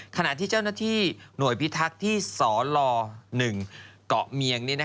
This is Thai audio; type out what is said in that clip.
ขณะที่เจ้าหน้าที่หน่วยพิทักษ์ที่สล๑เกาะเมียง